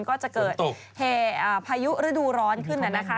ก็จะเกิดเหตุพายุฤดูร้อนขึ้นนะคะ